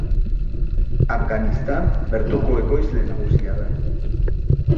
Afganistan bertoko ekoizle nagusia da.